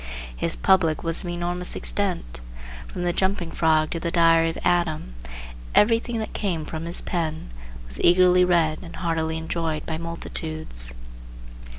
His "public" was of enormous extent. From "The Jumping Frog" to the "Diary of Adam" everything that came from his pen was eagerly read and heartily enjoyed by multitudes.